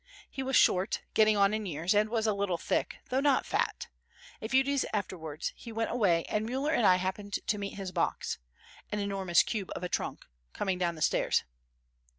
He was short, getting on in years and was a little thick, though not fat. A few days afterwards he went away and Müller and I happened to meet his box—an enormous cube of a trunk—coming down the stairs.